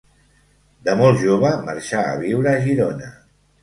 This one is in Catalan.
De molt jove marxà a viure a Girona.